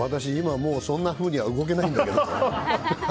私今もうそんなふうには動けないんだけど。